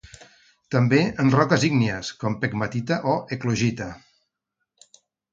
També en roques ígnies com pegmatita o eclogita.